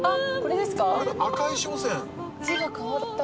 あっ字が変わった。